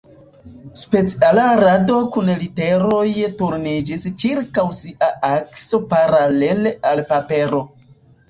Speciala rado kun literoj turniĝis ĉirkaŭ sia akso paralele al papero.